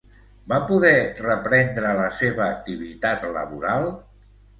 Va poder reprendre la seva activitat laboral?